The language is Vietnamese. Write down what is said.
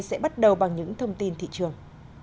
sẽ bắt đầu bằng những thông tin thị trường